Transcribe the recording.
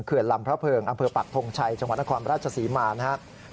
เขือนลำเผลิงอำเภอปักทงชัยจังหวัดนครราชศรีมาครับ